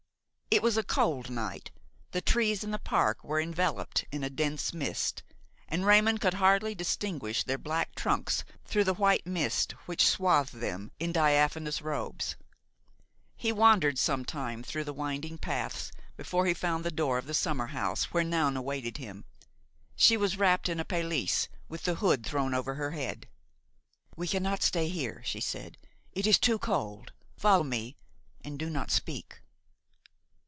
It was a cold night; the trees in the park were enveloped in a dense mist, and Raymon could hardly distinguish their black trunks through the white mist which swathed them in diaphanous robes. He wandered some time through the winding paths before he found the door of the summer house where Noun awaited him. She was wrapped in a pelisse with the hood thrown over her head. "We cannot stay here," she said, "it is too cold. Follow me and do not speak."